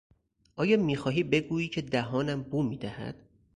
آیا میخواهی بگویی که دهانم بو میدهد؟